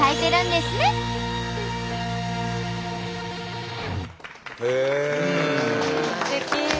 すてき。